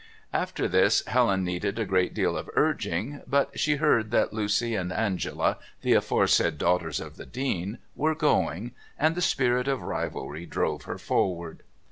After this Helen needed a great deal of urging; but she heard that Lucy and Angela, the aforesaid daughters of the Dean, were going, and the spirit of rivalry drove her forward.